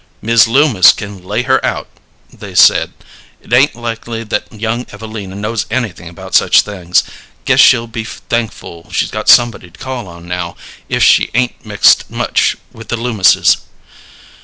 "Mis' Loomis can lay her out," they said. "It ain't likely that young Evelina knows anything about such things. Guess she'll be thankful she's got somebody to call on now, if she 'ain't mixed much with the Loomises."